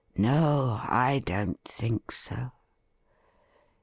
No, I don't think so.